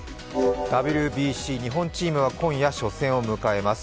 ＷＢＣ日本チームは今夜初戦を迎えます。